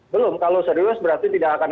belum kalau serius berarti tidak akan